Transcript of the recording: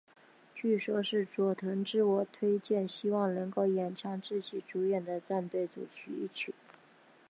据说是佐藤自我推荐希望能够唱自己主演的战队主题曲。